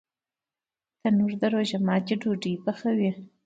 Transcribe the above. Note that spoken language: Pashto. تنور د روژه ماتي ډوډۍ پخوي